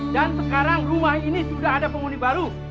dan sekarang rumah ini sudah ada penghuni baru